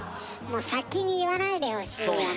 先に言わないでほしいよね。